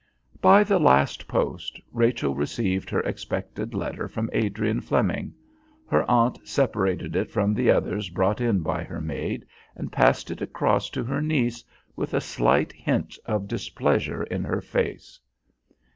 By the last post Rachel received her expected letter from Adrian Flemming. Her aunt separated it from the others brought in by her maid and passed it across to her niece with a slight hint of displeasure in her face.